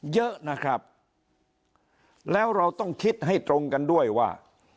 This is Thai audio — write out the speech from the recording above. เยอะนะครับแล้วเราต้องคิดให้ตรงกันด้วยว่า